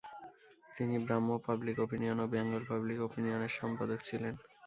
তিনি "Brahmo public opinion" ও "Bengal public ওপিনিয়ন"-এর সম্পাদক ছিলেন।